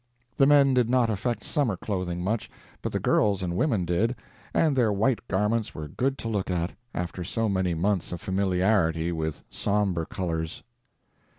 The men did not affect summer clothing much, but the girls and women did, and their white garments were good to look at, after so many months of familiarity with somber colors.